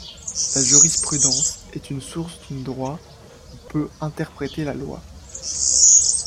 La jurisprudence est une source d'une droit ou peut interpréter la loi.